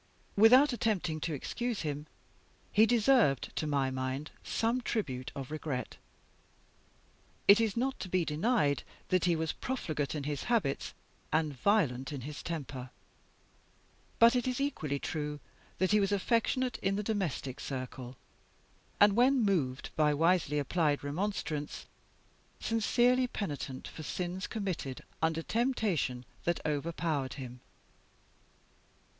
Without attempting to excuse him, he deserved, to my mind, some tribute of regret. It is not to be denied that he was profligate in his habits and violent in his temper. But it is equally true that he was affectionate in the domestic circle, and, when moved by wisely applied remonstrance, sincerely penitent for sins committed under temptation that overpowered him.